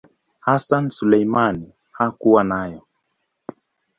Hassan Suleiman hakuwa nayo.